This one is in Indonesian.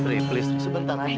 ri please sebentar aja